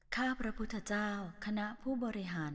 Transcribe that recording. ข้าพระพุทธเจ้าคณะผู้บริหาร